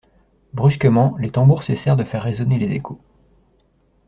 Brusquement les tambours cessèrent de faire résonner les échos.